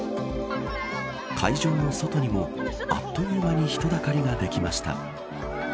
会場の外にもあっという間に人だかりができました。